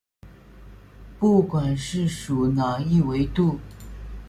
不管是属哪一纬度。